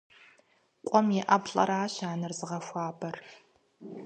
Къуэм и ӏэплӏэрщ анэр зыгъэхуабэр.